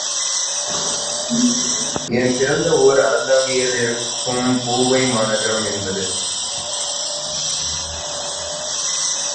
என் பிறந்த ஊர் அறந்தாங்கியிலிருக்கும் பூவைமாநகரம் என்பது.